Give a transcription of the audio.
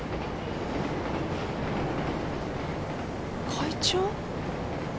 会長？